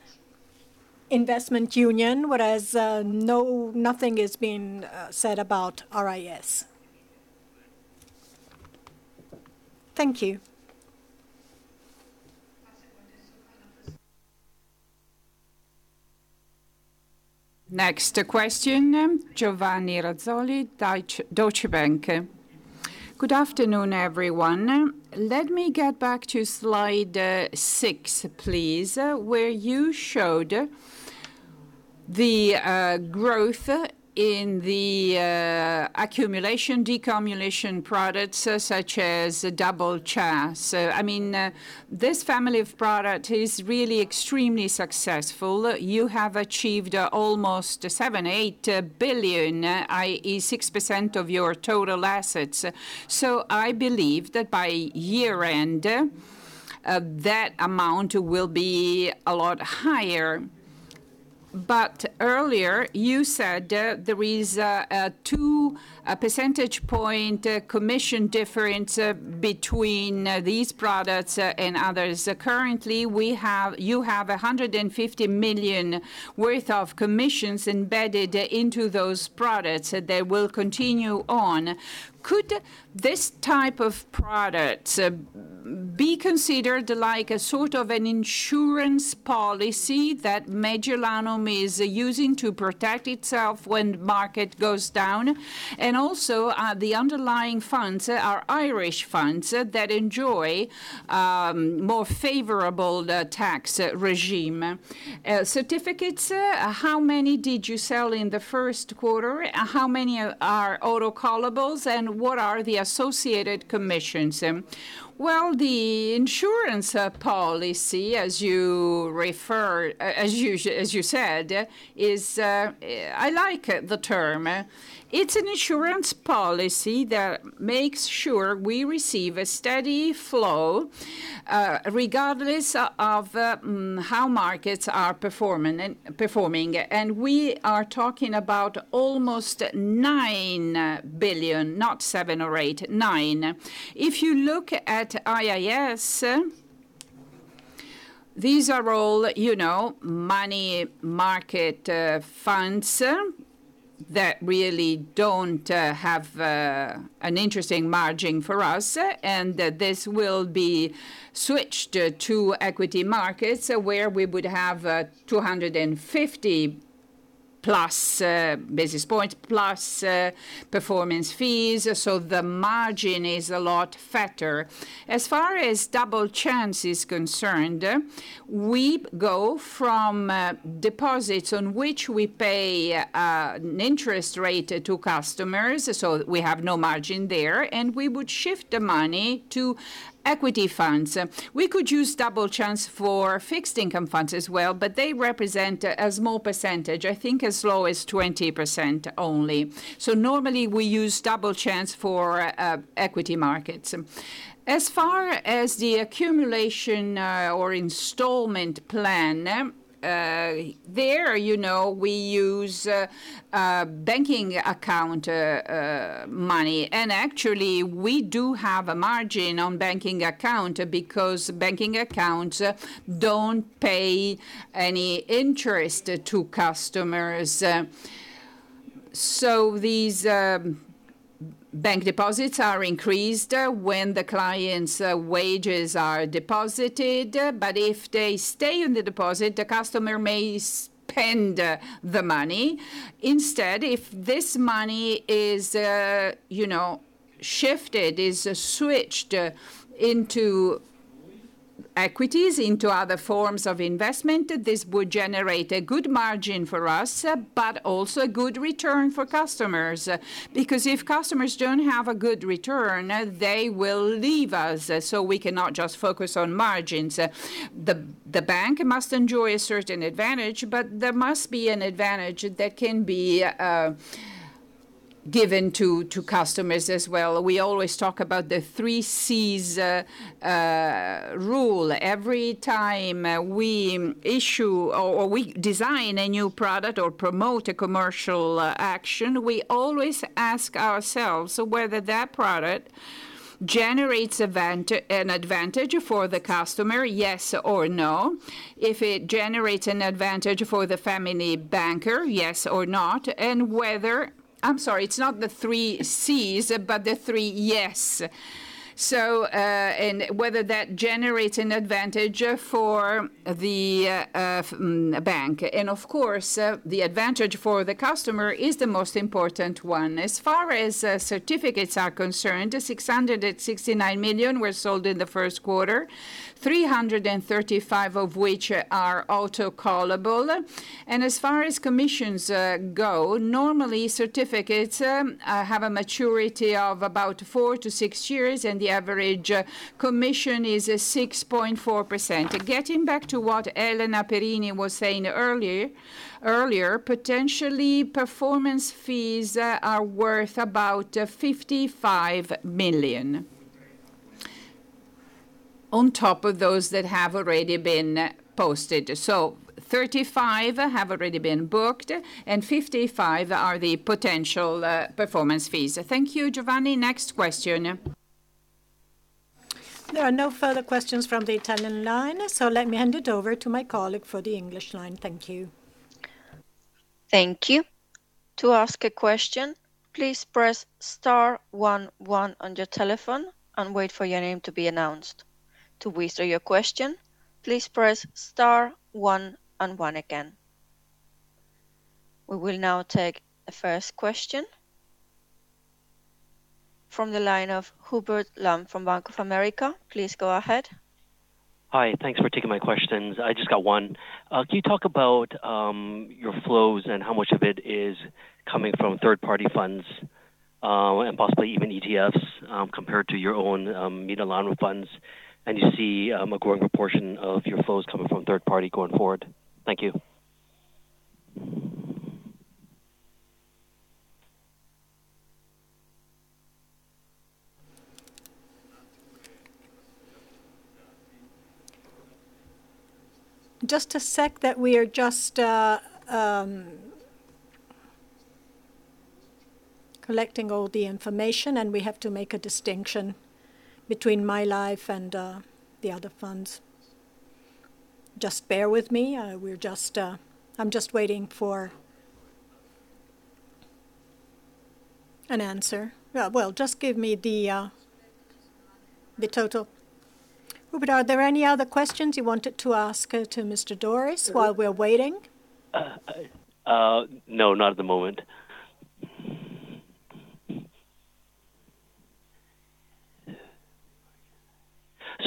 Investment Union, whereas nothing is being said about RIS. Thank you. Next question, Giovanni Razzoli, Deutsche Bank. Good afternoon, everyone. Let me get back to slide six please, where you showed the growth in the accumulation, deaccumulation products such as Double Chance. I mean, this family of product is really extremely successful. You have achieved almost 7 billion-8 billion, i.e., 6% of your total assets. I believe that by year-end, that amount will be a lot higher. Earlier you said there is a 2-percentage point commission difference between these products and others. Currently you have 150 million worth of commissions embedded into those products. They will continue on. Could this type of product be considered like a sort of an insurance policy that Mediolanum is using to protect itself when market goes down? Also, the underlying funds are Irish funds that enjoy a more favorable tax regime. Certificates, how many did you sell in the first quarter? How many are autocallables, and what are the associated commissions? Well, the insurance policy, as you refer, as you said, is, I like the term. It's an insurance policy that makes sure we receive a steady flow, regardless of how markets are performing. We are talking about almost 9 billion, not 7 billion or 8 billion, 9 billion. If you look at IIS, these are all, you know, money market funds that really don't have an interesting margin for us. This will be switched to equity markets where we would have 250+ basis points, plus performance fees. The margin is a lot fatter. As far as Double Chance is concerned, we go from deposits on which we pay an interest rate to customers, so we have no margin there, and we would shift the money to equity funds. We could use Double Chance for fixed income funds as well, but they represent a small percentage, I think as low as 20% only. Normally we use Double Chance for equity markets. As far as the accumulation, or installment plan, there, you know, we use banking account money. Actually, we do have a margin on banking account because banking accounts don't pay any interest to customers. These bank deposits are increased when the client's wages are deposited. If they stay in the deposit, the customer may spend the money. Instead, if this money is, you know, shifted, is switched into equities into other forms of investment. This would generate a good margin for us, but also a good return for customers. If customers don't have a good return, they will leave us. We cannot just focus on margins. The bank must enjoy a certain advantage. There must be an advantage that can be given to customers as well. We always talk about the three Cs rule. Every time we issue or we design a new product or promote a commercial action, we always ask ourselves whether that product generates an advantage for the customer, yes or no. If it generates an advantage for the Family Banker, yes or not. I'm sorry, it's not the three Cs, but the three yes. Whether that generates an advantage for the bank. Of course, the advantage for the customer is the most important one. As far as certificates are concerned, 669 million were sold in the first quarter, 335 million of which are autocallable. As far as commissions go, normally certificates have a maturity of about four to six years, and the average commission is 6.4%. Getting back to what Elena Perini was saying earlier, potentially performance fees are worth about 55 million on top of those that have already been posted. So, 35 million have already been booked, and 55 million are the potential performance fees. Thank you, Giovanni. Next question. There are no further questions from the Italian line, so let me hand it over to my colleague for the English line. Thank you. Thank you. To ask a question, please press star one one on your telephone and wait for your name to be announced. To withdraw your question, please press star one and one again. We will now take the first question from the line of Hubert Lam from Bank of America. Please go ahead. Hi. Thanks for taking my questions. I just got one. Can you talk about your flows and how much of it is coming from third-party funds, and possibly even ETFs, compared to your own Mediolanum funds? You see a growing proportion of your flows coming from third party going forward. Thank you. Just a second, we are just collecting all the information, and we have to make a distinction between Mediolanum My Life and the other funds. Just bear with me. I'm just waiting for an answer. Yeah. Well, just give me the total. Hubert Lam, are there any other questions you wanted to ask to Mr. Doris while we're waiting? No, not at the moment.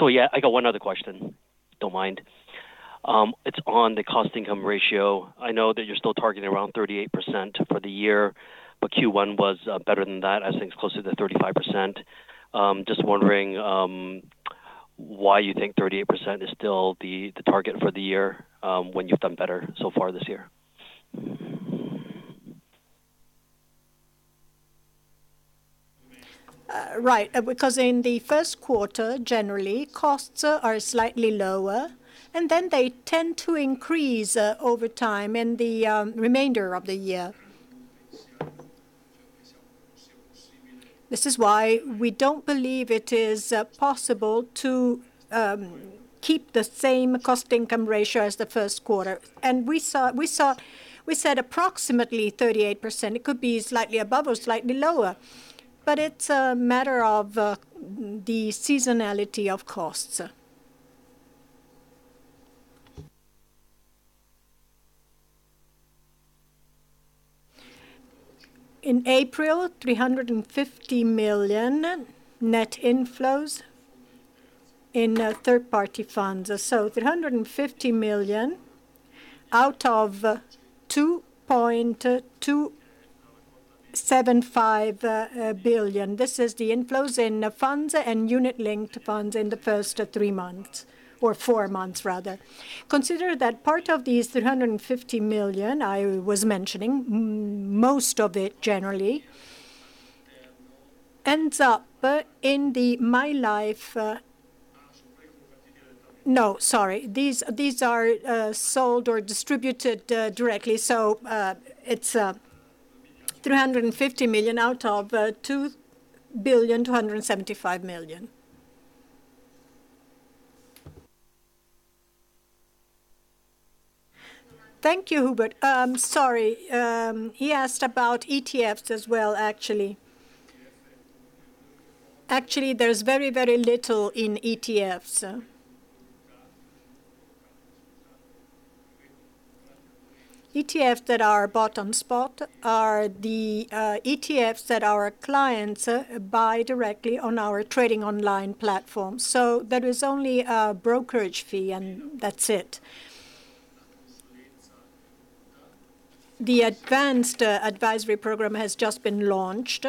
Yeah, I got one other question. Don't mind. It's on the cost-income ratio. I know that you're still targeting around 38% for the year, but Q1 was better than that. I think it's closer to 35%. Just wondering why you think 38% is still the target for the year when you've done better so far this year? Right. In the first quarter, generally, costs are slightly lower, then they tend to increase over time in the remainder of the year. This is why we don't believe it is possible to keep the same cost-income ratio as the first quarter. We said approximately 38%. It could be slightly above or slightly lower, but it's a matter of the seasonality of costs. In April, 350 million net inflows in third-party funds. 350 million out of 2.275 billion. This is the inflows in funds and unit-linked funds in the first three months or four months rather. Consider that part of these 350 million I was mentioning, most of it generally ends up in the Mediolanum My Life. No, sorry. These are sold or distributed directly. It's 350 million out of 2.275 billion. Thank you, Hubert. Sorry, he asked about ETFs as well, actually. Actually, there's very little in ETFs. ETF that are bought on spot are the ETFs that our clients buy directly on our trading online platform. There is only a brokerage fee and that's it. The advanced advisory program has just been launched.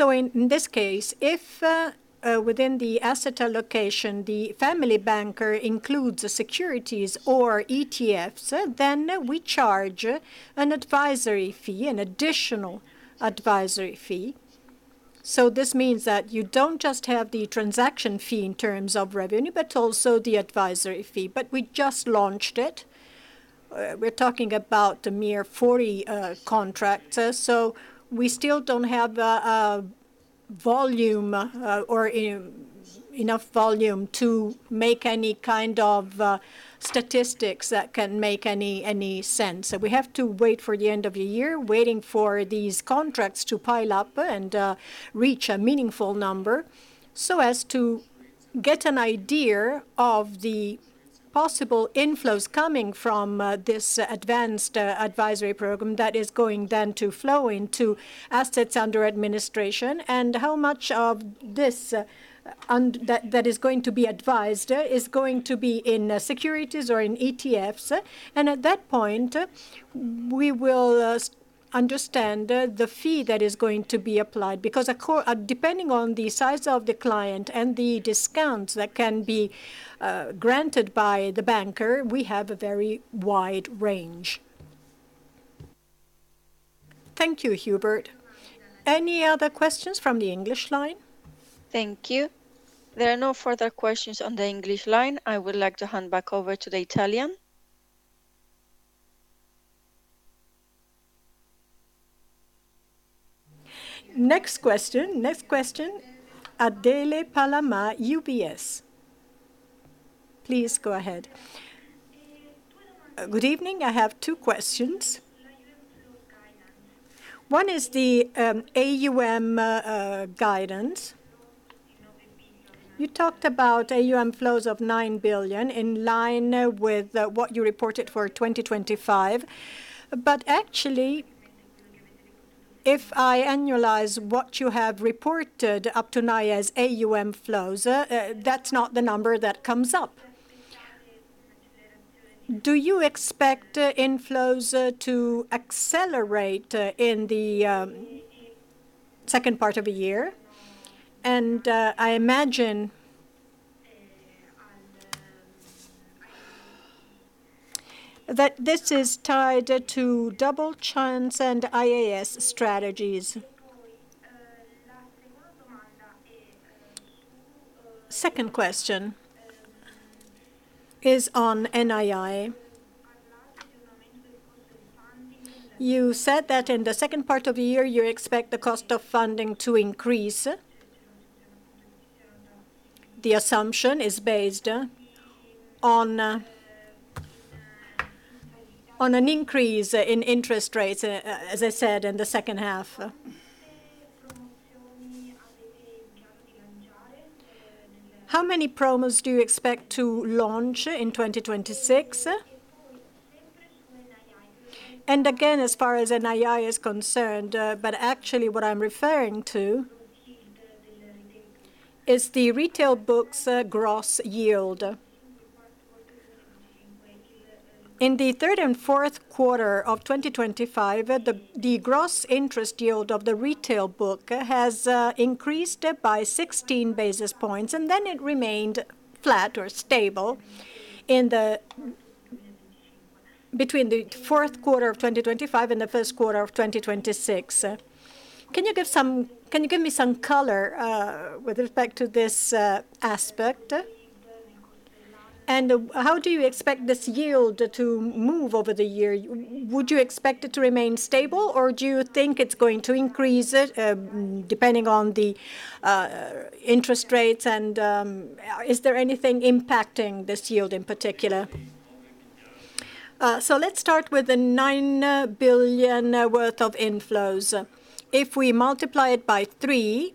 In this case, if within the asset allocation, the Family Banker includes the securities or ETFs, then we charge an advisory fee, an additional advisory fee. This means that you don't just have the transaction fee in terms of revenue, but also the advisory fee. We just launched it. We're talking about a mere 40 contracts, so we still don't have a volume or enough volume to make any kind of statistics that can make any sense. We have to wait for the end of the year, waiting for these contracts to pile up and reach a meaningful number so as to get an idea of the possible inflows coming from this advanced advisory program that is going then to flow into assets under administration. How much of this and that is going to be advised is going to be in securities or in ETFs. At that point, we will understand the fee that is going to be applied. Depending on the size of the client and the discount that can be granted by the banker, we have a very wide range. Thank you, Hubert. Any other questions from the English line? Thank you. There are no further questions on the English line. I would like to hand back over to the Italian. Next question. Next question, Adele Palamà, UBS. Please go ahead. Good evening. I have two questions. One is the AUM guidance. You talked about AUM flows of 9 billion, in line with what you reported for 2025. Actually, if I annualize what you have reported up to now as AUM flows, that's not the number that comes up. Do you expect inflows to accelerate in the second part of the year? I imagine that this is tied to Double Chance and IIS strategies. Second question is on NII. You said that in the second part of the year you expect the cost of funding to increase. The assumption is based on an increase in interest rates, as I said, in the second half. How many promos do you expect to launch in 2026? As far as NII is concerned, but actually what I am referring to is the retail book's gross yield. In the third and fourth quarter of 2025, the gross interest yield of the retail book has increased by 16 basis points, and then it remained flat or stable between the fourth quarter of 2025 and the first quarter of 2026. Can you give me some color with respect to this aspect? How do you expect this yield to move over the year? Would you expect it to remain stable, or do you think it is going to increase, depending on the interest rates and, is there anything impacting this yield in particular? Let's start with the 9 billion worth of inflows. If we multiply it by three,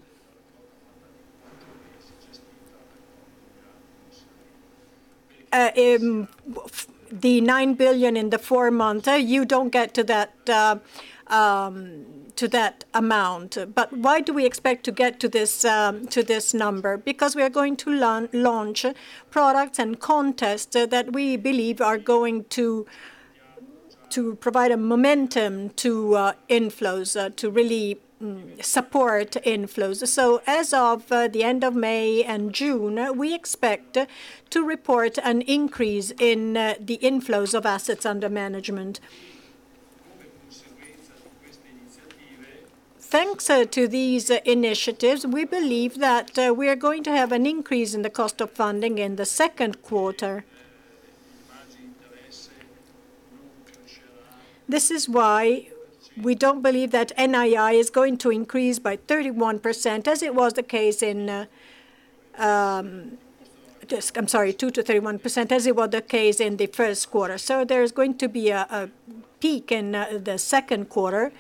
the 9 billion in the four months, you don't get to that amount. Why do we expect to get to this number? Because we are going to launch products and contests that we believe are going to provide a momentum to inflows to really support inflows. As of the end of May and June, we expect to report an increase in the inflows of assets under management. Thanks to these initiatives, we believe that we are going to have an increase in the cost of funding in the second quarter. This is why we don't believe that NII is going to increase by 31%, as it was the case in the first quarter. There is going to be a peak in the second quarter.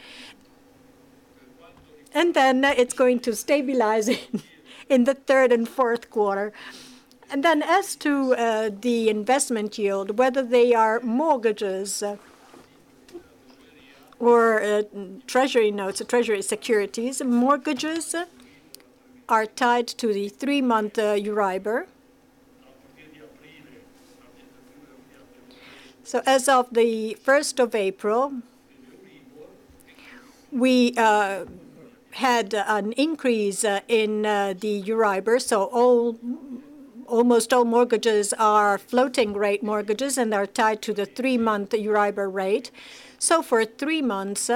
It's going to stabilize in the third and fourth quarter. As to the investment yield, whether they are mortgages or treasury notes, treasury securities, mortgages are tied to the three-month EURIBOR. As of the 1st of April, we had an increase in the EURIBOR, almost all mortgages are floating rate mortgages and are tied to the three-month EURIBOR rate For three months,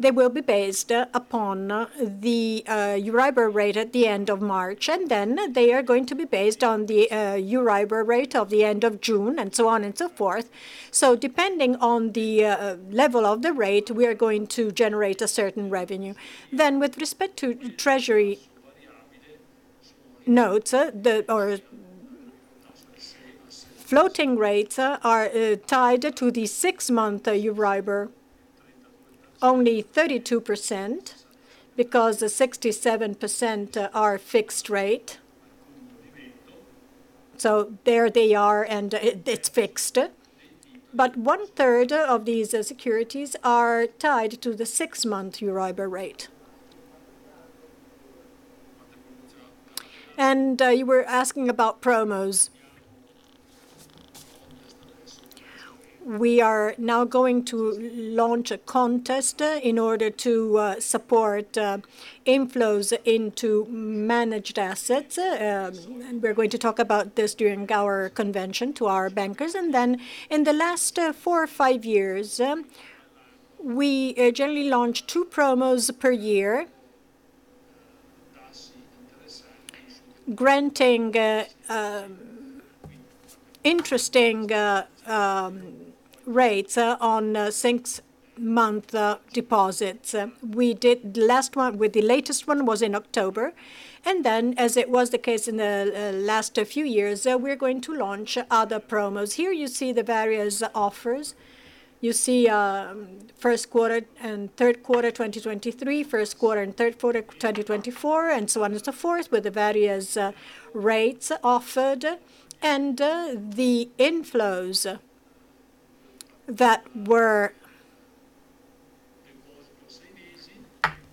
they will be based upon the EURIBOR rate at the end of March, and then they are going to be based on the EURIBOR rate of the end of June and so on and so forth. Depending on the level of the rate, we are going to generate a certain revenue. With respect to treasury notes, the or floating rates are tied to the six-month EURIBOR. Only 32%, because 67% are fixed rate. There they are, and it's fixed. One-third of these securities are tied to the six-month EURIBOR rate. You were asking about promos. We are now going to launch a contest in order to support inflows into managed assets, and we're going to talk about this during our convention to our bankers In the last four or five years, we generally launch two promos per year, granting interesting rates on six-month deposits. We did the last one well, the latest one was in October. As it was the case in the last few years, we're going to launch other promos. Here you see the various offers. You see first quarter and third quarter 2023, first quarter and third quarter 2024, and so on and so forth, with the various rates offered. The inflows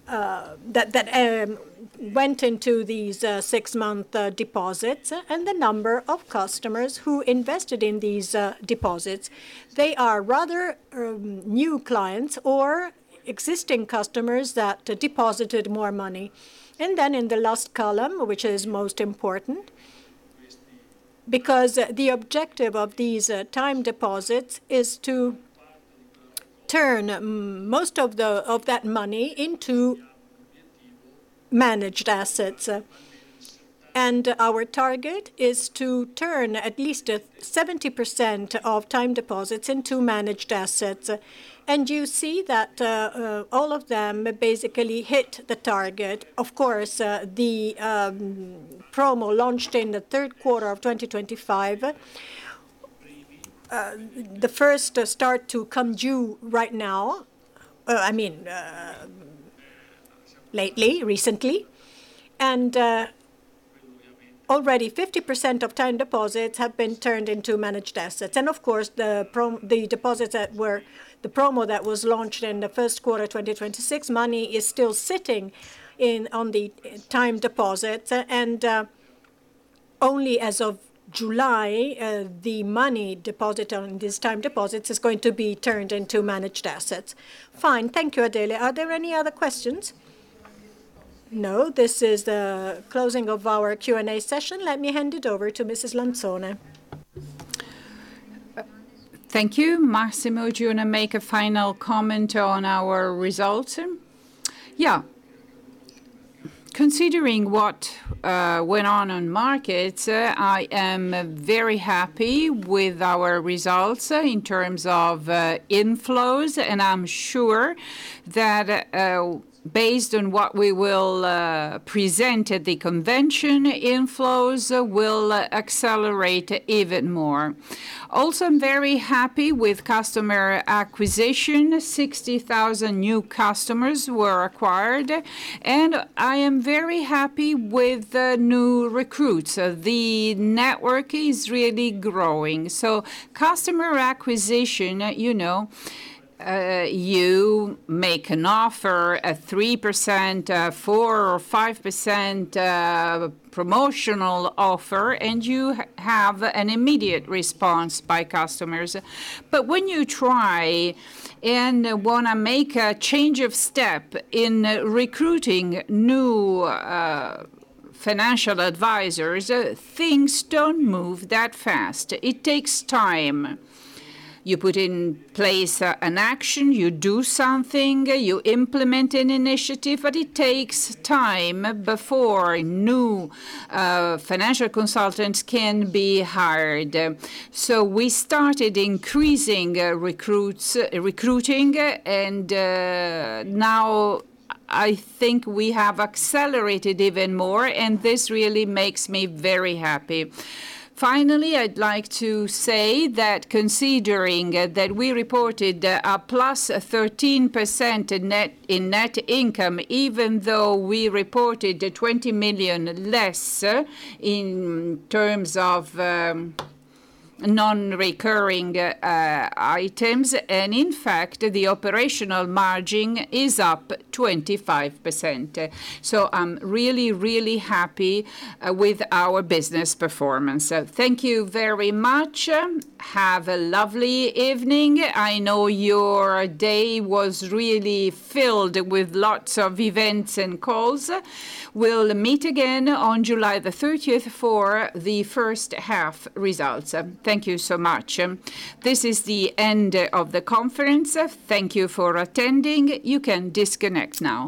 that went into these six-month deposits, and the number of customers who invested in these deposits, they are rather new clients or existing customers that deposited more money. In the last column, which is most important, because the objective of these time deposits is to turn most of that money into managed assets. Our target is to turn at least 70% of time deposits into managed assets. You see that all of them basically hit the target. The promo launched in the third quarter of 2025, the first start to come due right now, I mean, lately, recently. Already 50% of time deposits have been turned into managed assets. The promo that was launched in the first quarter 2026, money is still sitting on the time deposit. Only as of July, the money deposited on these time deposits is going to be turned into managed assets. Fine. Thank you, Adele. Are there any other questions? No, this is the closing of our Q&A session. Let me hand it over to Mrs. Lanzone. Thank you. Massimo, do you want to make a final comment on our results? Considering what went on on markets, I am very happy with our results in terms of inflows, and I'm sure that based on what we will present at the convention, inflows will accelerate even more. I'm very happy with customer acquisition. 60,000 new customers were acquired. I am very happy with the new recruits. The network is really growing. Customer acquisition, you know, you make an offer, a 3%, a 4% or 5% promotional offer, and you have an immediate response by customers. When you try and wanna make a change of step in recruiting new financial advisors, things don't move that fast. It takes time. You put in place an action, you do something, you implement an initiative, it takes time before new financial consultants can be hired. We started increasing recruits, recruiting, now I think we have accelerated even more, this really makes me very happy. Finally, I'd like to say that considering that we reported a plus 13% in net, in net income, even though we reported 20 million less in terms of non-recurring items, in fact, the operating margin is up 25%. I'm really happy with our business performance. Thank you very much. Have a lovely evening. I know your day was really filled with lots of events and calls. We'll meet again on July 30th for the first half results. Thank you so much. This is the end of the conference. Thank you for attending. You can disconnect now.